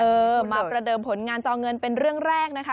เออมาประเดิมผลงานจอเงินเป็นเรื่องแรกนะคะ